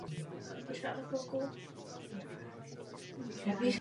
V pohoří pramení a protéká řada řek a říček.